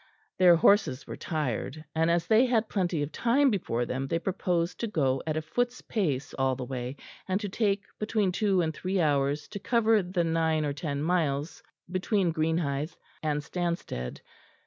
Their horses were tired; and as they had plenty of time before them they proposed to go at a foot's pace all the way, and to take between two and three hours to cover the nine or ten miles between Greenhithe and Stanstead.